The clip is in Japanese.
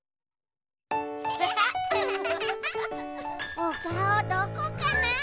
おかおどこかな？